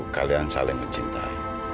kalian saling mencintai